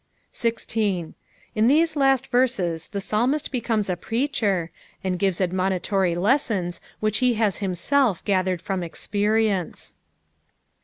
10. In these last venes the pBalmist becomes h preacher, and gives ad 'nionitory lessons which he has nimself gathered from experience.